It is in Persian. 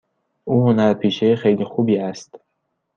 او هنرپیشه خیلی خوبی است.